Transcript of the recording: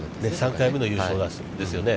３回目の優勝ですよね。